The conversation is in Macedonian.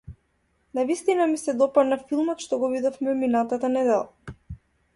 Навистина ми се допадна филмот што го видовме минатата недела.